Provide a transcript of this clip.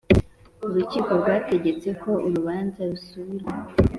Urukiko rwategetse ko urubanza rusubirwamo